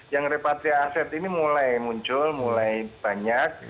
yang repatriasi aset ini mulai muncul mulai banyak